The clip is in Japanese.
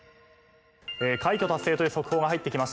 「快挙達成という速報が入ってきました」